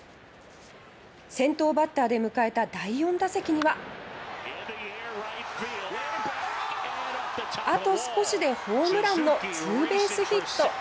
先頭バッターで迎えた第４打席にはあと少しでホームランのツーベースヒット。